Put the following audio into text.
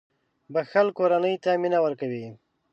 • بښل کورنۍ ته مینه ورکوي.